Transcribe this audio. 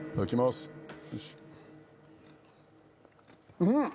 うん！